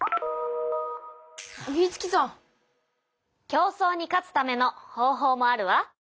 競争に勝つための方法もあるわ。